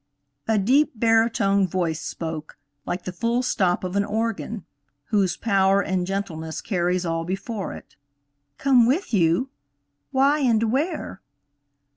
A deep, baritone voice spoke, like the full stop of an organ, whose power and gentleness carries all before it. "Come with you? Why, and where?"